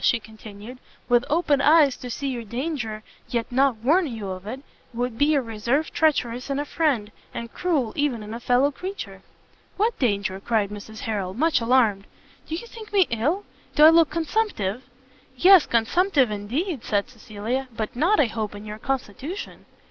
she continued, "with open eyes to see your danger, yet not warn you of it, would be a reserve treacherous in a friend, and cruel even in a fellow creature." "What danger?" cried Mrs Harrel, much alarmed, "do you think me ill? do I look consumptive?" "Yes, consumptive indeed!" said Cecilia, "but not, I hope, in your constitution."